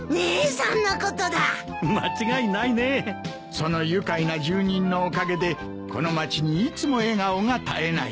「その愉快な住人のおかげでこの町にいつも笑顔が絶えない」